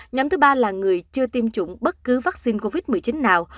nhóm thứ ba là người chưa tiêm chủng bất cứ vaccine covid một mươi chín nào